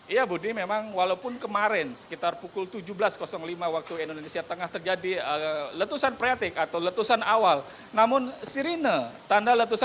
lalu bagaimana dengan kesiagaan atau kesiapan otoritas terkait dan juga masyarakat sekitar di sana pemerintah daerah juga